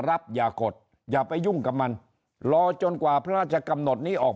รับอย่ากดอย่าไปยุ่งกับมันรอจนกว่าพระราชกำหนดนี้ออก